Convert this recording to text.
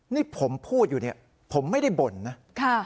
นี่ผมพูดอยู่เนี่ยผมไม่ได้บ่นนะ